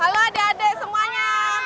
halo adik adik semuanya